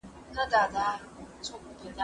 زه له سهاره تکړښت کوم!؟